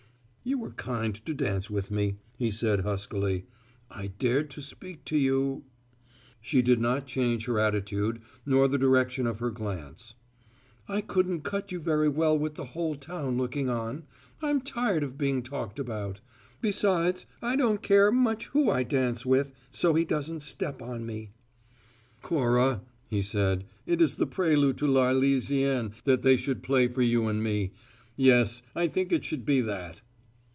"You were kind to dance with me," he said huskily. "I dared to speak to you " She did not change her attitude nor the direction of her glance. "I couldn't cut you very well with the whole town looking on. I'm tired of being talked about. Besides, I don't care much who I dance with so he doesn't step on me." "Cora," he said, "it is the prelude to `L'Arlesienne' that they should play for you and me. Yes, I think it should be that."